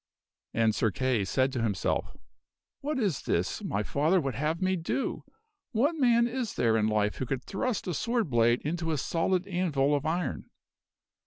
And Sir Kay said to himself, " What is this my father would have me do ! What man is there in life who could thrust a sword blade into a solid anvil of iron?"